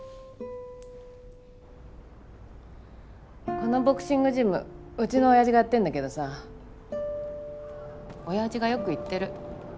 このボクシングジムうちのオヤジがやってんだけどさオヤジがよく言ってる。